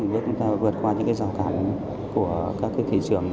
từng bước chúng ta vượt qua những cái rào cản của các cái thị trường